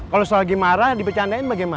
kalau selagi marah dibercandain bagaimana